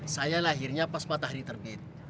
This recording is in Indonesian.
saya lahirnya pas matahari terbit